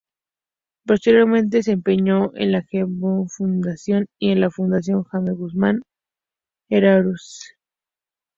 Profesionalmente, se desempeñó en la Heritage Foundation y en la Fundación Jaime Guzmán Errázuriz.